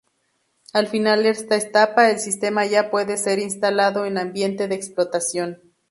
Al finalizar esta etapa, el sistema ya puede ser instalado en ambiente de explotación.